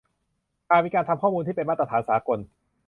หากมีการทำข้อมูลที่เป็นมาตรฐานสากล